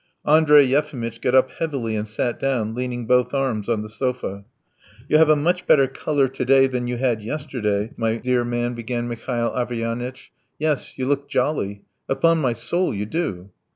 Andrey Yefimitch got up heavily and sat down, leaning both arms on the sofa. "You have a much better colour to day than you had yesterday, my dear man," began Mihail Averyanitch. "Yes, you look jolly. Upon my soul, you do!"